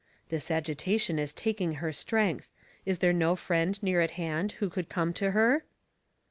" This agitation is taking her strength. Is there no friend near at hand who would come to her?"